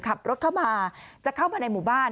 ขับรถเข้ามาจะเข้ามาในหมู่บ้าน